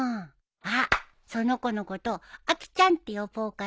あっその子のことアキちゃんって呼ぼうかな。